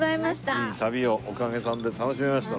いい旅をおかげさんで楽しめました。